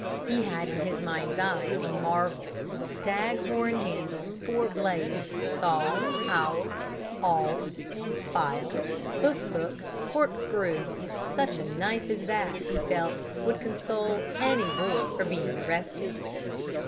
He had in his mind's eye a marvel stag horn handle, four blades, saw, awl, file, hoof hook, corkscrew! Such a knife as that, he felt, would console any boy for being arrested.